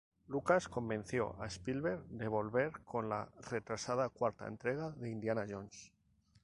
Lucas convenció a Spielberg de volver con la retrasada cuarta entrega de Indiana Jones.